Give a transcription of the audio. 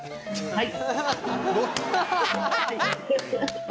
はい。